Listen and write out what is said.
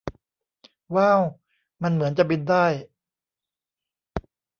ว้าว มันเหมือนจะบินได้